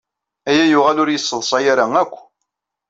Aya yuɣal ur yesseḍsay ara akk.